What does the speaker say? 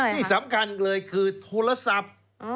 ที่สำคัญเลยคือโทรศัพท์